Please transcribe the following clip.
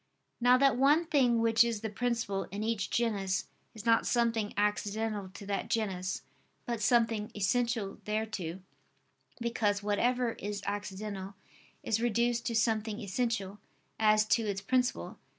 Now that one thing which is the principle in each genus, is not something accidental to that genus, but something essential thereto: because whatever is accidental is reduced to something essential, as to its principle.